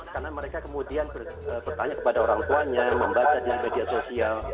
karena mereka kemudian bertanya kepada orang tuanya membaca di media sosial